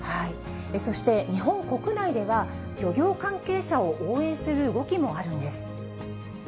そして、日本国内では、漁業関係者を応援する動きもあるんです。